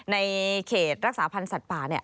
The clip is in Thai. ในเขตรักษาพันธ์สัตว์ป่า